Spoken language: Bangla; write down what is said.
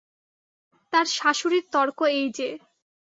তার শাশুড়ির তর্ক এই যে।